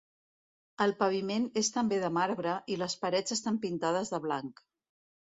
El paviment és també de marbre i les parets estan pintades de blanc.